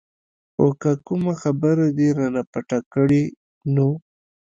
خو که کومه خبره دې رانه پټه کړه نو.